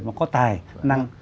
mà có tài năng